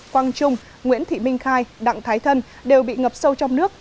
quang trung nguyễn thị minh khai đặng thái thân đều bị ngập sâu trong nước